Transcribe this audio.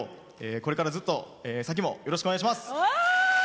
これからずっと先もよろしくお願いします。